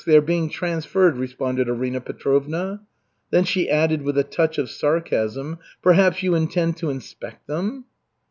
They are being transferred," responded Arina Petrovna. Then she added with a touch of sarcasm: "Perhaps you intend to inspect them?"